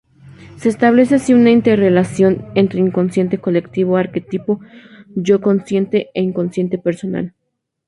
Se establece así una interrelación entre inconsciente colectivo, arquetipo, yo consciente e inconsciente personal.